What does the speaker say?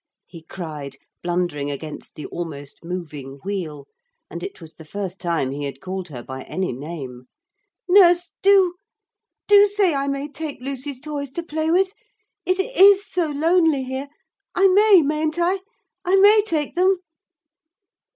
he cried, blundering against the almost moving wheel, and it was the first time he had called her by any name. 'Nurse, do do say I may take Lucy's toys to play with; it is so lonely here. I may, mayn't I? I may take them?'